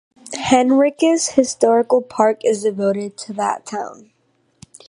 Henricus Historical Park is devoted to that town.